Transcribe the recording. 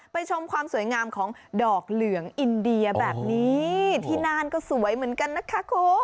ชมความสวยงามของดอกเหลืองอินเดียแบบนี้ที่น่านก็สวยเหมือนกันนะคะคุณ